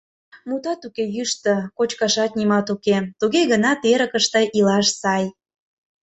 Мутат уке, йӱштӧ, кочкашат нимат уке, туге гынат эрыкыште илаш сай.